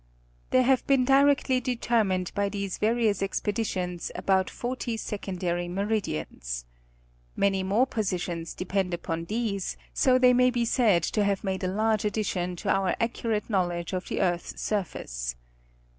There have been directly determined by these various expedi tions, about forty secondary meridians. Many more positions depend upon these, so they may be said to have made a large addition to our accurate knowledge of the earth's surface.